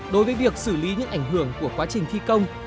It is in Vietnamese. đối với việc xử lý những ảnh hưởng của quá trình thi công